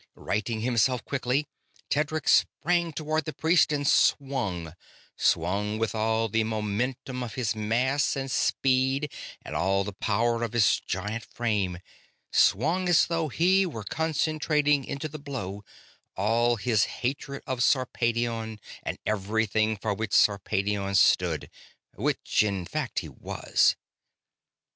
Righting himself quickly, Tedric sprang toward the priest and swung; swung with all the momentum of his mass and speed and all the power of his giant frame; swung as though he were concentrating into the blow all his hatred of Sarpedion and everything for which Sarpedion stood which in fact he was.